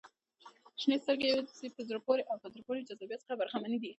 • شنې سترګې د په زړه پورې او په زړه پورې جذابیت څخه برخمنې دي.